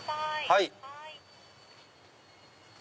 はい。